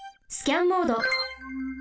スキャンモード。